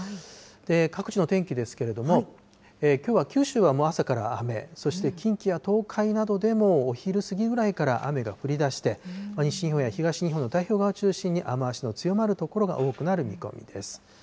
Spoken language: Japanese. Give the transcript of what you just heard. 各地の天気ですけれども、きょうは九州はもう朝から雨、そして近畿や東海などでも、お昼過ぎぐらいから雨が降りだして、西日本や東日本の太平洋側を中心に、雨足の強まる所が多くなる見込みです。